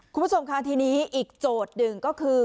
คุณผู้ชมค่ะทีนี้อีกโจทย์หนึ่งก็คือ